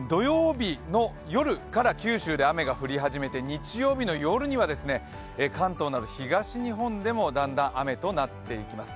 九州で雨が降り始めて、日曜日の夜には関東など東日本でもだんだん雨となっていきます。